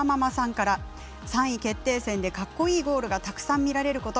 ３位決定戦でかっこいいゴールがたくさん見られること。